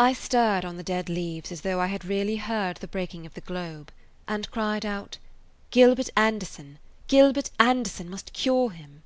I stirred on the dead leaves as though I had really heard the breaking of the globe and cried out, "Gilbert Anderson, Gilbert Anderson must cure him."